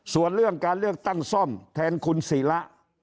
ส่วนเรื่องการเลือกตั้งซ่อมแทนคุณศิระ